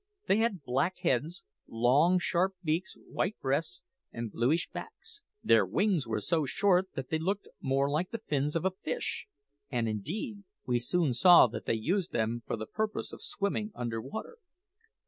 They had black heads, long, sharp beaks, white breasts, and bluish backs. Their wings were so short that they looked more like the fins of a fish, and indeed we soon saw that they used them for the purpose of swimming under water.